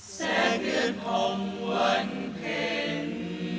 แสงเดือนผ่องวันเพล็น